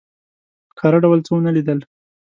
په ښکاره ډول څه ونه لیدل.